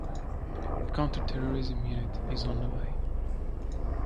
The counter-terrorism unit is on the way.